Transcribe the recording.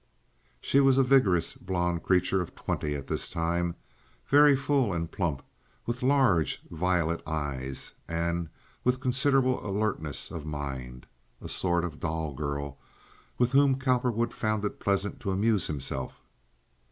She was a vigorous blonde creature of twenty at this time, very full and plump, with large, violet eyes, and with considerable alertness of mind—a sort of doll girl with whom Cowperwood found it pleasant to amuse himself.